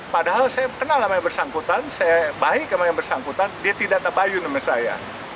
padahal saya kenal namanya bersangkutan saya baik namanya bersangkutan dia tidak terbayu nama saya